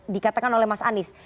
dikatakan oleh mas anies